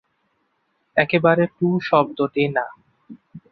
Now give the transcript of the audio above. একেবারে টুঁ শব্দটি না।